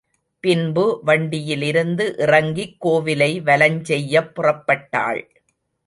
பின்பு வண்டியிலிருந்து இறங்கிக் கோவிலை வலஞ் செய்யப் புறப்பட்டாள்.